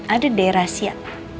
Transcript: ada deh rahasia